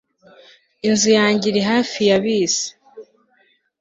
inzu yanjye iri hafi ya bisi